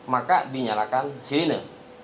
maka dinyalakan sirine